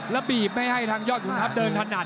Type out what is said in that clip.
แล้วบีบไม่ให้ทางยอดขุนทัพเดินถนัด